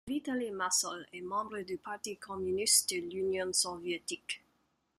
Vitaliy Massol est membre du Parti communiste de l'Union Soviétique.